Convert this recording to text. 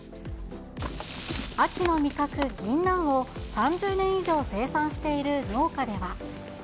秋の味覚、ギンナンを３０年以上生産している農家では。